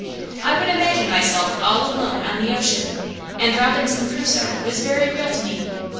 I would imagine myself all alone on the ocean, and Robinson Crusoe was very real to me.